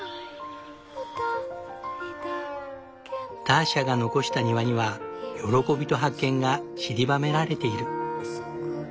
ターシャが残した庭には喜びと発見がちりばめられている。